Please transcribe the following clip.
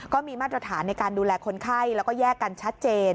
มาตรฐานในการดูแลคนไข้แล้วก็แยกกันชัดเจน